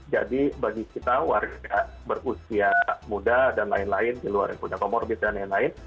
jadi bagi kita warga berusia muda dan lain lain di luar yang punya komorbid dan lain lain